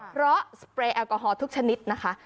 เพราะสเปรย์แอลกอฮอล์ทุกชนิดนะคะ